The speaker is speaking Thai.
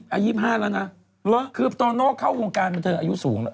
เขาประกอบเข้ามาเข้าอายุเยอะขึ้น